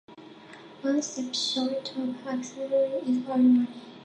One step short of autocephaly is "autonomy".